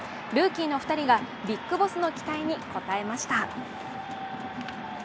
ルーキーの２人がビッグボスの期待に応えました。